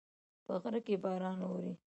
په غره کې باران اوري